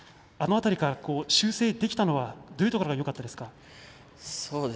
あの辺りから修正できたのはどういうところがよかったですか。